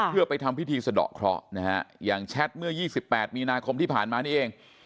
เพื่อไปทำพิธีสะดอกเคราะห์นะฮะอย่างแชทเมื่อ๒๘มีนาคมที่ผ่านมานี่เอง